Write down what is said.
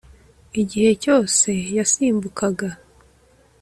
Igihe cyose yasimbukaga